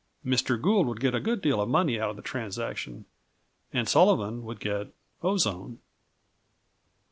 Mr. Gould would get a good deal of money out of the transaction and Sullivan would get ozone.